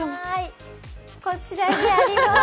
こちらにあります。